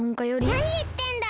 なにいってんだ！